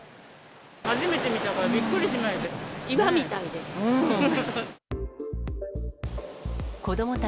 初めて見たから、びっくりし岩みたいでした。